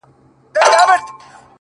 • ړوند اوکوڼ سي له نېکیه یې زړه تور سي ,